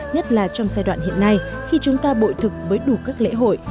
nhất là trong giai đoạn hiện nay khi chúng ta bội thực với đủ các lễ hội